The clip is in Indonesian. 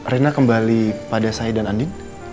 rena kembali pada saya dan andi